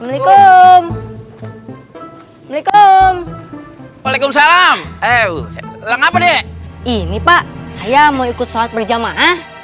assalamualaikum waalaikumsalam eh leng apa deh ini pak saya mau ikut sholat berjamaah